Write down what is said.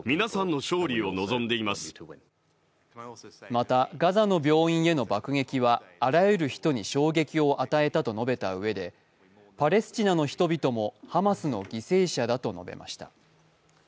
またガザの病院への爆撃はあらゆる人に衝撃を与えたと述べたうえでパレスチナの人々もハマスの犠牲者だと述べました。